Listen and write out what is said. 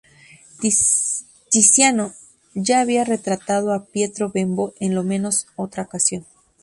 Tiziano ya había retratado a Pietro Bembo en la menos otra ocasión.